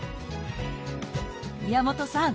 宮本さん